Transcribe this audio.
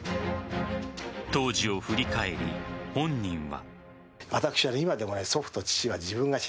当時を振り返り、本人は。